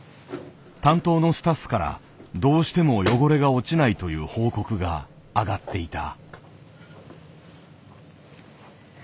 担当のスタッフからどうしても汚れが落ちないという報告があがっていた。